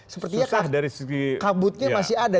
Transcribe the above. sepertinya kabutnya masih ada